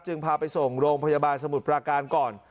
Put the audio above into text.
พาไปส่งโรงพยาบาลสมุทรปราการก่อน